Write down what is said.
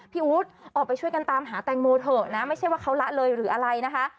อู๊ดออกไปช่วยกันตามหาแตงโมเถอะนะไม่ใช่ว่าเขาละเลยหรืออะไรนะคะ